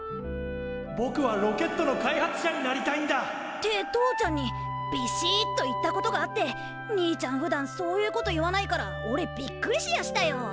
ぼくはロケットの開発者になりたいんだ！って父ちゃんにびしっと言ったことがあって兄ちゃんふだんそういうこと言わないからおれびっくりしやしたよ。